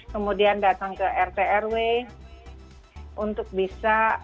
kemudian datang ke rtrw untuk bisa mendapatkan